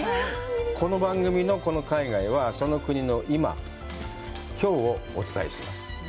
この番組のこの海外は、その国の今、きょうをお伝えします。